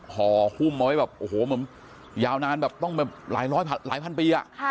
หอคุมมาไว้แบบโอ้โหมันยาวนานแบบต้องแบบหลายพันปีอ่ะค่ะ